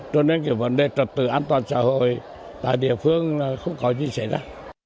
cho nên cái vấn đề trật tự an toàn xã hội tại địa phương là không có gì xảy ra